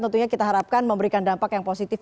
tentunya kita harapkan memberikan dampak yang positif